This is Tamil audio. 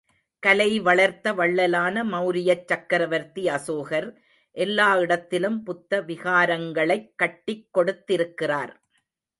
கலை வளர்த்த வள்ளலான மௌரியச் சக்கரவர்த்தி அசோகர், எல்லா இடத்திலும் புத்த விகாரங்களைக் கட்டிக் கொடுத்திருக்கிறார்.